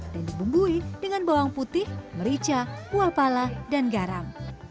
dan dibumbui dengan bawang putih merica buah pala dan garam